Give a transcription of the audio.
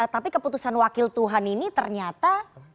tapi keputusan wakil tuhan ini ternyata